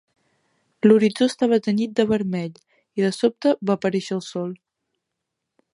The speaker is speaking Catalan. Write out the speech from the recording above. L'horitzó estava tenyit de vermell, i de sobte va aparèixer el sol.